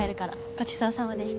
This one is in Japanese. ごちそうさまでした。